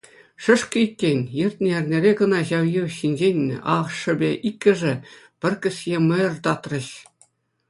Шӗшкӗ иккен, иртнӗ эрнере кӑна ҫав йывӑҫ ҫинчен ашшӗпе иккӗшӗ пӗр кӗсье мӑйӑр татрӗҫ.